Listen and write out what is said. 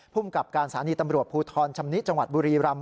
ภูมิกับการสถานีตำรวจภูทรชำนิจังหวัดบุรีรำ